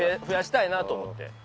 増やしたいなあと思って。